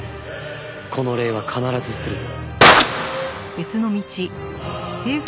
この礼は必ずすると。